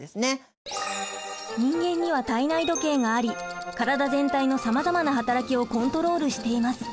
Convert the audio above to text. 人間には体内時計があり体全体のさまざまな働きをコントロールしています。